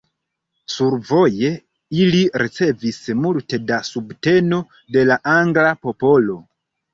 Sur voje ili ricevis multe da subteno de la angla popolo.